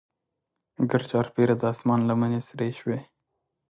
ګرچاپیره د اسمان لمنې سرې شوې.